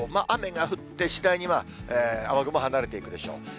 雨が降って、次第に雨雲離れていくでしょう。